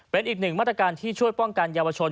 เป็นอีกหนึ่งมาตรการที่ช่วยป้องกันเยาวชน